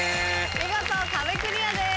見事壁クリアです。